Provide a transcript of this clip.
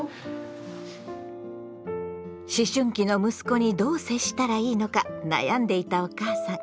思春期の息子にどう接したらいいのか悩んでいたお母さん。